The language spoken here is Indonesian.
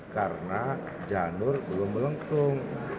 karena janur belum melengkung